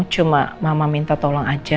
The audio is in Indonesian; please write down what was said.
cuma mama minta tolong aja